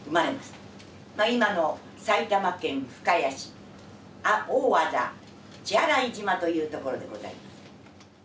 今の埼玉県深谷市大字血洗島というところでございます。